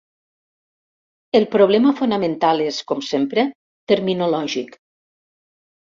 El problema fonamental és, com sempre, terminològic.